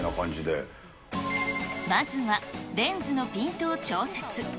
まずはレンズのピントを調節。